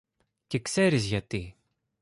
Και ξέρεις γιατί